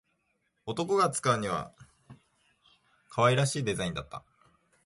男が使うには可愛らしいデザインだった